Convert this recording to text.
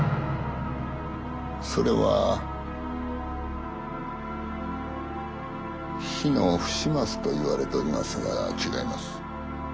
それは火の不始末と言われておりますが違います。